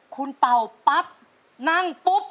คุณเป่าปั๊บนั่งปุ๊บ